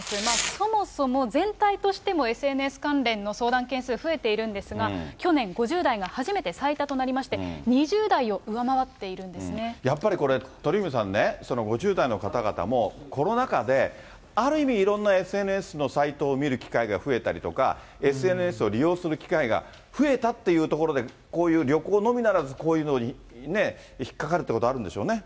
そもそも、全体としてもＳＮＳ関連の相談件数、増えているんですが、去年、５０代が初めて最多となりまして、やっぱりこれ、鳥海さんね、５０代の方々も、コロナ禍である意味、いろんなＳＮＳのサイトを見る機会が増えたりとか、ＳＮＳを利用する機会が増えたっていうところで、こういう、旅行のみならずこういうのに引っ掛かるってことあるんでしょうね。